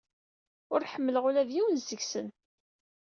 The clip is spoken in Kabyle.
Ur ḥemmleɣ ula d yiwen seg-sen.